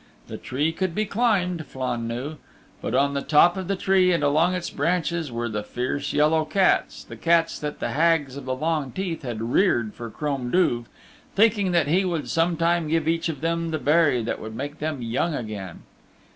The Tree could be climbed, Flann knew. But on the top of the tree and along its branches were the fierce yellow cats the cats that the Hags of the Long Teeth had reared for Crom Duv, thinking that he would some time give each of them the berry that would make them young again.